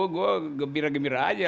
gue gembira gembira aja